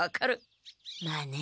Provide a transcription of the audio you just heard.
まあね。